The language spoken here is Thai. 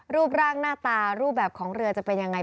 รูปร่างหน้าตารูปแบบของเรือจะเป็นยังไง